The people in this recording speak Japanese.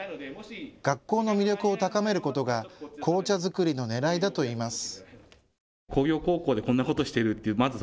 学校の魅力を高めることが紅茶作りのねらいだといいます。